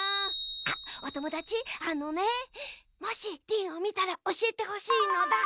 あっおともだちあのねもしリンをみたらおしえてほしいのだ。